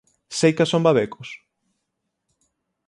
Seica son babecos?